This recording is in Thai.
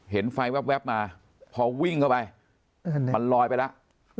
เห็นไฟแว๊บมาพอวิ่งเข้าไปมันลอยไปแล้ว